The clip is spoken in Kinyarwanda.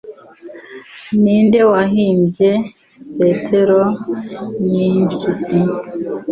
Ninde wahimbye Petero nimpyisi